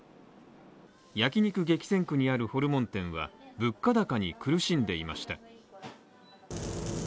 焼肉激戦区にあるホルモン店は物価高に苦しんでいました。